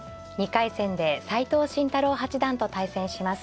２回戦で斎藤慎太郎八段と対戦します。